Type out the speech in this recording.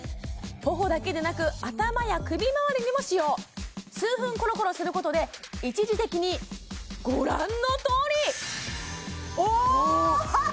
ほほだけでなく頭や首まわりにも使用数分コロコロすることで一時的にご覧のとおりおっ！